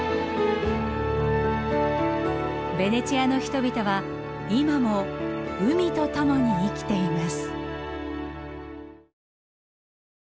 ベネチアの人々は今も海とともに生きています。